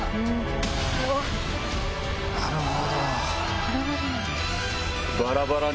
なるほど。